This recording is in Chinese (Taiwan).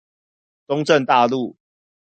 中正大路